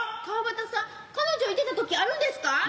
川畑さん彼女いてたときあるんですか？